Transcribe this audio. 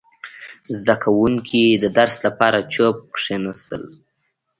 • زده کوونکي د درس لپاره چوپ کښېناستل.